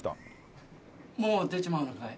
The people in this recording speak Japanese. もう出ちまうのかい？